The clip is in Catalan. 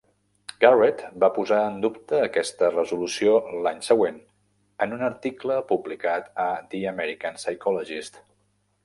Garrett va posar en dubte aquesta resolució l'any següent en un article publicat a "The American Psychologist".